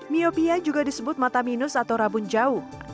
miopia juga disebut mata minus atau rabun jauh